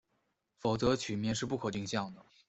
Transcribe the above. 否则曲面是不可定向的。